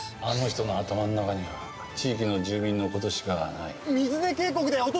あの人の頭の中には地域の住民のことしかない。